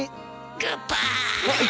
グッバーイ。